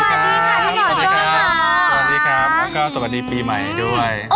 สวัสดีครับก็สวัสดีปีใหม่ด้วย